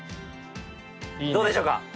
どうでしょうか？